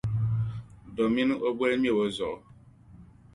domin o boli ŋmɛbo zuɣu.